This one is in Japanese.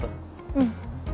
うん。